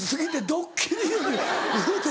ドッキリ指いうて。